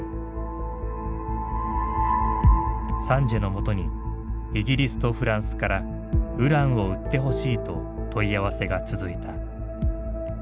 サンジエのもとにイギリスとフランスからウランを売ってほしいと問い合わせが続いた。